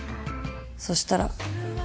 そしたら